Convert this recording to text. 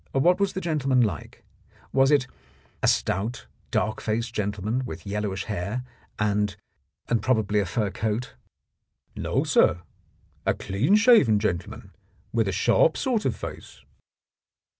"What was the gentleman like? Was it — a stout, dark faced gentleman with yellowish hair and — and probably a fur coat ?" "No, sir, a clean shaven gentleman with a sharp sort of face."